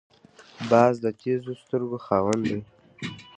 باز د تېزو سترګو خاوند دی